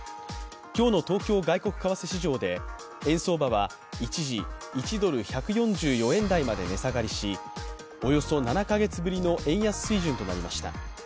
今日の東京外国為替市場で円相場は一時、１ドル＝１４４円台まで値下がりし、およそ７か月ぶりの円安水準となりました。